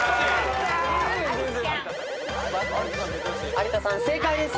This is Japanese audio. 有田さん正解です。